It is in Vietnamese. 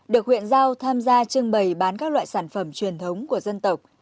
được huyện giao tham gia trưng bày bán các loại sản phẩm truyền thống của dân tộc